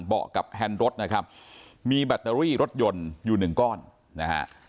กับแฮนด์รถนะครับมีแบตเตอรี่รถยนต์อยู่หนึ่งก้อนนะฮะ